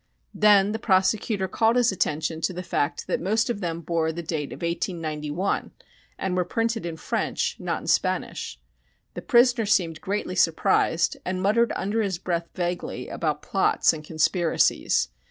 Then the prosecutor called his attention to the fact that most of them bore the date of 1891 and were printed in French not in Spanish. The prisoner seemed greatly surprised and muttered under his breath vaguely about "plots" and "conspiracies."